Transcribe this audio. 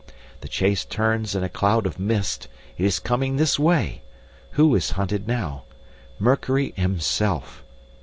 The chase turns in a cloud of mist. It is coming this way. Who is hunted now? Mercury himself.